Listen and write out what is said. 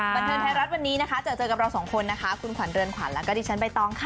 บันเทิงไทยรัฐวันนี้นะคะเจอเจอกับเราสองคนนะคะคุณขวัญเรือนขวัญแล้วก็ดิฉันใบตองค่ะ